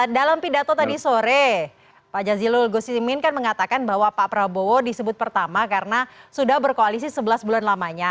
dalam pidato tadi sore pak jazilul gusimin kan mengatakan bahwa pak prabowo disebut pertama karena sudah berkoalisi sebelas bulan lamanya